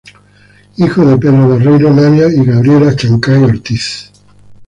Hijo de Pedro Barreiro Navia y Graciela Chancay Ortiz.